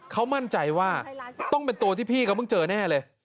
เขามั่นใจว่าต้องเป็นตัวที่พี่เขาเพิ่งเจอแน่เลย